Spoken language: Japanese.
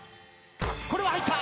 これは入った。